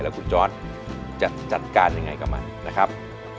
คุณจอร์ดจะจัดการยังไงกับมันนะครับ